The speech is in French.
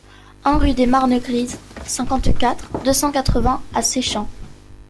un rue des Marnes Grises, cinquante-quatre, deux cent quatre-vingts à Seichamps